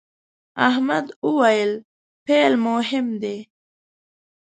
احمد وويل: پیل مهم دی.